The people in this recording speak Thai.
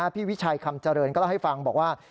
วิชัยคำเจริญก็เล่าให้ฟังบอกว่า